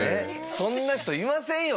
そんな人いませんよ